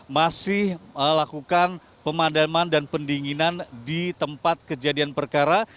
masih melakukan pemadaman dan pendinginan di tempat kejadian perkara